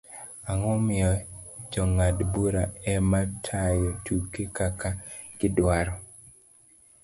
ang'o momiyo jong'ad - bura ema tayo tuke kaka gidwaro?